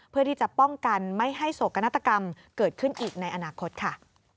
เพื่อที่จะป้องกันไม่ให้โศกนาฏกรรมเกิดขึ้นอีกในอนาคตค่ะ